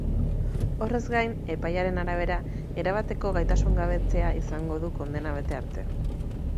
Horrez gain, epaiaren arabera, erabateko gaitasungabetzea izango du kondena bete arte.